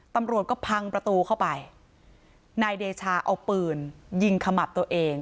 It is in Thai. ตำรวจก็พังประตูเข้าไปนายเดชาเอาปืนยิงขมับตัวเอง